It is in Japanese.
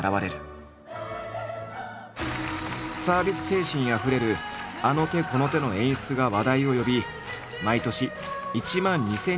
サービス精神あふれるあの手この手の演出が話題を呼び毎年１万２，０００人以上を動員。